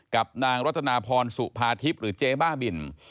กับนางรัตนาพรสุภาทิพย์หรือเจ๊บ้าบิน